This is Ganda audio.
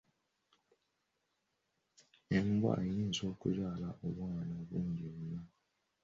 Embwa eyinza okuzaala obwana bungi nnyo.